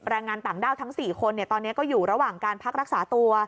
แรงงานต่างด้าวทั้ง๔คนตอนนี้ก็อยู่ระหว่างการพักรักษาตัว